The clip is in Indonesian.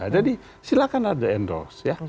jadi silakan aja endorse